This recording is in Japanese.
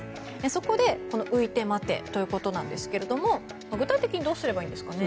そこで、浮いてまて！ということなんですけれども具体的にどうすればいいんですかね。